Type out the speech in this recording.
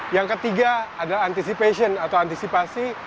yang ketiga adalah anticipation atau antisipasi